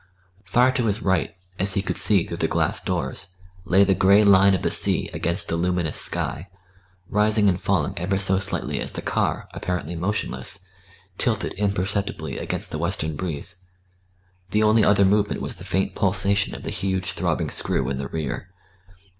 Far to his right, as he could see through the glass doors, lay the grey line of the sea against the luminous sky, rising and falling ever so slightly as the car, apparently motionless, tilted imperceptibly against the western breeze; the only other movement was the faint pulsation of the huge throbbing screw in the rear.